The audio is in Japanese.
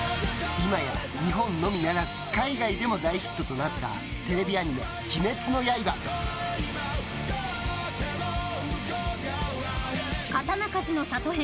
今や、日本のみならず海外でも大ヒットとなったテレビアニメ「鬼滅の刃」「刀鍛冶の里編」